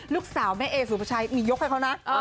ลูกสาวแม่เอสุภาชัยมียกให้เขานะ